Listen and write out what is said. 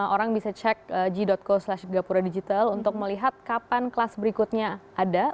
orang bisa cek g co slash gapura digital untuk melihat kapan kelas berikutnya ada